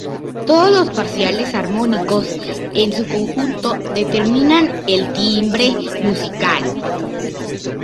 Todos los parciales armónicos, en su conjunto determinan el timbre musical.